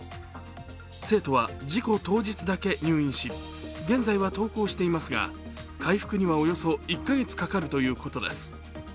生徒は事故当日だけ入院し、現在は登校していますが、回復には、およそ１か月かかるということです。